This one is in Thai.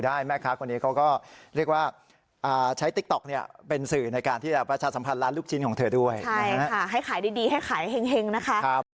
เขาก็เรียกว่าใช้ติ๊กต๊อกเป็นสื่อในการที่ประชาสัมพันธ์ร้านลูกจิ้นของเธอด้วยใช่ค่ะให้ขายดีให้ขายเฮ็งนะคะครับ